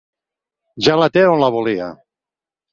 Ja la té on la volia.